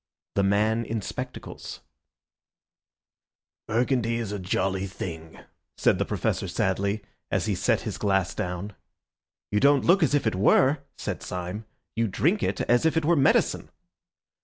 THE MAN IN SPECTACLES "Burgundy is a jolly thing," said the Professor sadly, as he set his glass down. "You don't look as if it were," said Syme; "you drink it as if it were medicine."